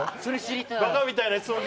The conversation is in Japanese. バカみたいな質問。